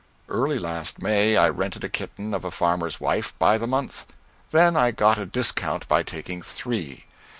Early last May I rented a kitten of a farmer's wife, by the month; then I got a discount by taking three.